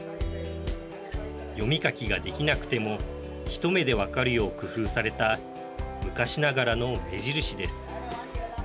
読み書きができなくても一目で分かるよう工夫された昔ながらの目印です。